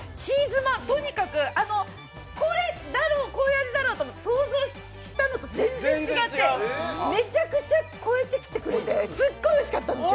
とにかく、こういう味だろうと思って想像したのと全然違ってめちゃくちゃ超えてきてくれてすっごいおいしかったんですよ。